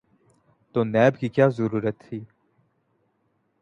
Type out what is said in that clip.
تو نیب کی کیا ضرورت تھی؟